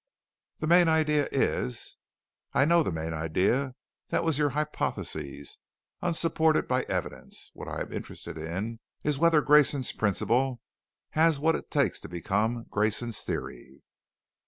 "The main idea is " "I know the main idea. That was your hypothesis, unsupported by evidence. What I am interested in is whether Grayson's Principle has what it takes to become Grayson's Theory."